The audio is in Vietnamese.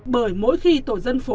bởi mỗi khi tổ dân phố